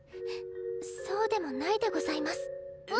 ⁉そうでもないでございます